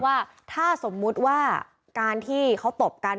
ว่าถ้าสมมุติว่าการที่เขาตบกัน